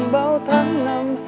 bao tháng năm